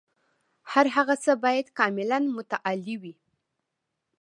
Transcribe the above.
هر هغه څه باید کاملاً متعالي وي.